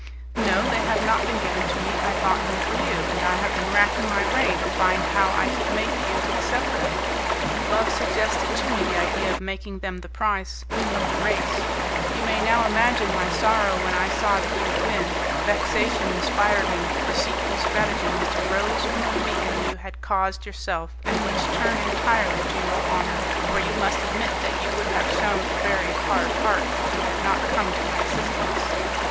"No, they have not been given to me. I bought them for you, and I have been racking my brain to find how I could make you accept them. Love suggested to me the idea of making them the prize of the race. You may now imagine my sorrow when I saw that you would win. Vexation inspired me with a deceitful stratagem which arose from a feeling you had caused yourself, and which turned entirely to your honour, for you must admit that you would have shewn a very hard heart if you had not come to my assistance."